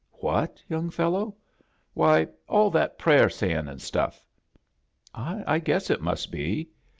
"What, young feUow?" 1^ "Why, all that prayer saying an' stuff." ''I guess H must be."